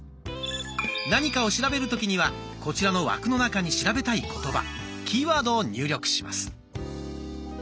何かを調べる時にはこちらの枠の中に調べたい言葉キーワードを入力します。